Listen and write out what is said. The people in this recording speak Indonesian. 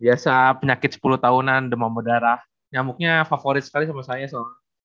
biasa penyakit sepuluh tahunan demam berdarah nyamuknya favorit sekali sama saya soal